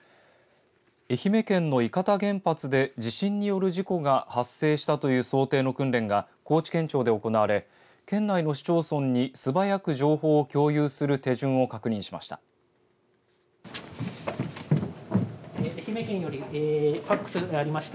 愛媛県の伊方原発で地震による事故が発生したという想定の訓練が高知県庁で行われ県内の市町村に素早く情報を共有する手順を確認しました。